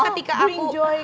gue akan berharga untukmu loh